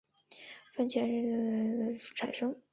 分权的目的在于避免独裁者的产生。